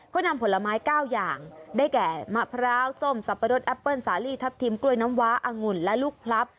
ก็นำผลไม้๙อย่างได้แก่มะพร้าวส้มสับปะรดแอปเปิ้ลสาลีทัพทิมกล้วยน้ำว้าองุ่นและลูกพลับ